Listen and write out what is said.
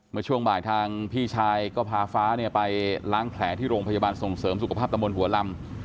เมื่อช่วงบ่ายทางพี่ชายก็พาฟ้าไปล้างแผลที่โรงพยาบาลส่งเสริมสุขภาพตะมนต์หัวลำ